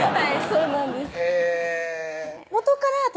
そうなんです